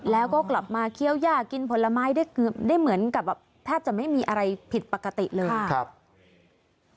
แล้วก็กลับมาเคี้ยวย่ากินผลไม้ได้เหมือนกับแบบแทบจะไม่มีอะไรผิดปกติเลยครับ